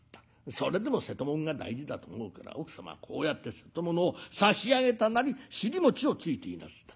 それでも瀬戸物が大事だと思うから奥様はこうやって瀬戸物を差し上げたなり尻餅をついていなすった。